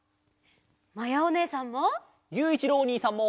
まやおねえさんも。